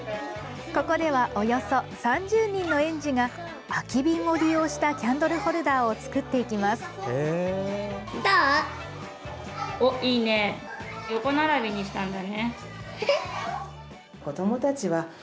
ここでは、およそ３０人の園児が空き瓶を利用したキャンドルホルダーをどう？